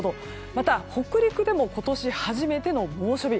また、北陸でも今年初めての猛暑日。